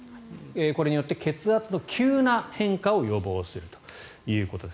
これによって血圧の急な変化を予防するということです。